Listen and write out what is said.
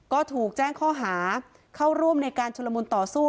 ก็ถูกแจ้งข้อหาเข้าร่วมในการชุลมุนต่อสู้